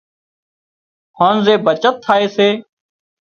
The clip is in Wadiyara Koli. هانَ زي بچت ٿائي سي